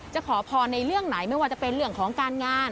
ขอพรในเรื่องไหนไม่ว่าจะเป็นเรื่องของการงาน